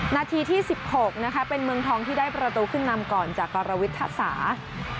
นาทีที่๑๖นะคะเป็นเมืองทองที่ได้ประตูขึ้นนำก่อนจากกรวิทธศาสตร์